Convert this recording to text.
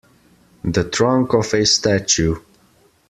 The trunk of a statue.